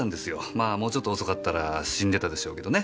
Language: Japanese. まぁもうちょっと遅かったら死んでたでしょうけどね。